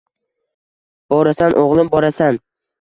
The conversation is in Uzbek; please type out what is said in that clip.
Borasan, o‘g‘lim, borasan.